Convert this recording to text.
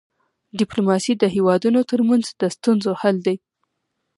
ډيپلوماسي د هيوادونو ترمنځ د ستونزو حل دی.